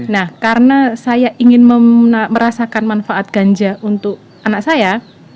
nah karena saya ingin merasakan manfaat ganja untuk anak saya